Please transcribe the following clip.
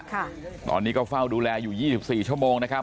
ค่ะตอนนี้ก็เฝ้าดูแลอยู่๒๔ชั่วโมงนะครับ